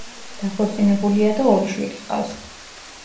დაქორწინებულია და ორი შვილი ჰყავს.